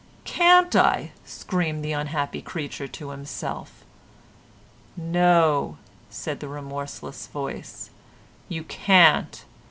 "CAN'T I?" screamed the unhappy creature to himself. "No," said the remorseless voice, "YOU CAN'T.